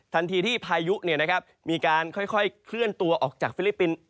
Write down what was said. ทันทีที่พายุเนี่ยนะครับมีการค่อยเคลื่อนตัวออกจากฟิลิปิน